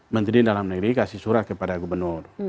menteri dalam negeri kasih surat kepada gubernur